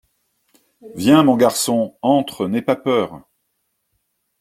Viens, mon garçon, entre, n’aie pas peur!